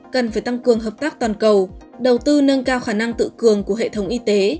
cần phải tăng cường hợp tác toàn cầu đầu tư nâng cao khả năng tự cường của hệ thống y tế